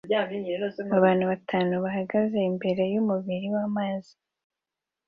Abantu batanu bahagaze imbere yumubiri wamazi